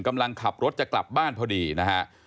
กำลังขับรถจะกลับบ้านพอดีนะฮะ